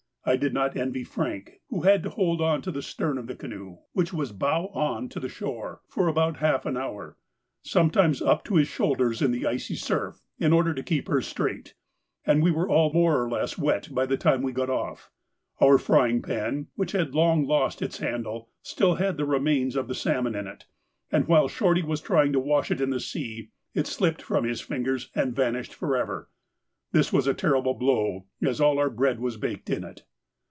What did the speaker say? I did not envy Frank, who had to hold on to the stern of the canoe, which was bow on to the shore, for about half an hour, sometimes up to his shoulders in the icy surf, in order to keep her straight, and we were all more or less wet by the time we got off. Our frying pan, which had long lost its handle, still had the remains of the salmon in it, and, while Shorty was trying to wash it in the sea, it slipped from his fingers and vanished for ever. This was a terrible blow, as all our bread was baked in it.